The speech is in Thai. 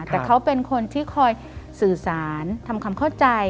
แต่เขาเป็นคนที่คอยสื่อสารทำความเข้าใจ